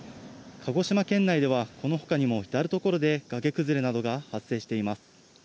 鹿児島県内ではこのほかにも至る所で崖崩れなどが発生しています。